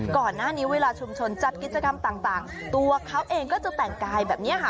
ก่อนหน้านี้เวลาชุมชนจัดกิจกรรมต่างตัวเขาเองก็จะแต่งกายแบบนี้ค่ะ